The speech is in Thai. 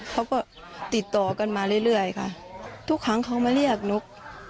เขาก็ติดต่อกันมาเรื่อยค่ะทุกครั้งเขามาเรียกนก